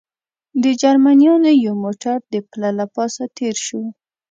د جرمنیانو یو موټر د پله له پاسه تېر شو.